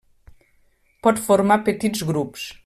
Pot formar petits grups.